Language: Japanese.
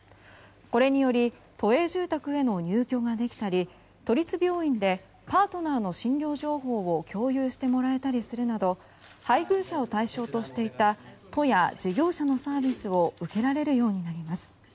これにより都営住宅への入居ができたり都立病院でパートナーの診療情報を共有してもらえたりするなど配偶者を対象としていた都や事業者のサービスを受けられるようになります。